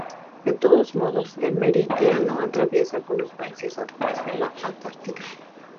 De todos modos, el meridiano atraviesa algunos países, además de la Antártida.